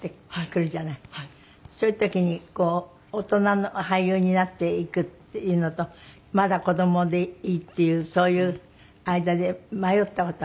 そういう時に大人の俳優になっていくっていうのとまだ子供でいいっていうそういう間で迷った事ありません？